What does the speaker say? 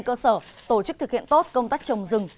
cơ sở tổ chức thực hiện tốt công tác trồng rừng